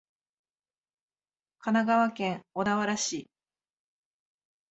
神奈川県小田原市